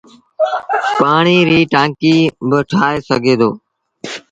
پآڻيٚ ريٚ ٽآنڪيٚ با ٺآهي سگھي دو۔